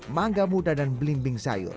mangga muda dan belimbing sayur